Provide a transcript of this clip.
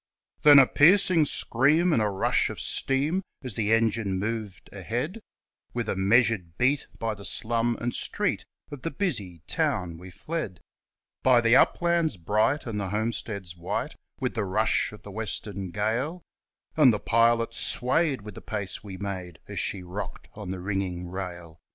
Then a piercing scream and a rush of steam As the engine moved ahead, With a measured beat by the slum and street Of the busy town we fled, By the uplands bright and the homesteads white, With the rush of the western gale, And the pilot swayed with the pace we made As she rocked on the ringing rail.